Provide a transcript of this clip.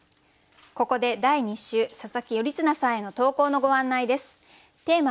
ここで第２週佐佐木頼綱さんへの投稿のご案内です。